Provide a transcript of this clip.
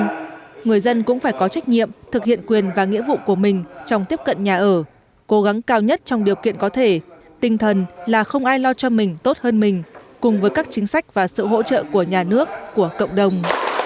nhưng người dân cũng phải có trách nhiệm thực hiện quyền và nghĩa vụ của mình trong tiếp cận nhà ở cố gắng cao nhất trong điều kiện có thể tinh thần là không ai lo cho mình tốt hơn mình cùng với các chính sách và sự hỗ trợ của nhà nước của cộng đồng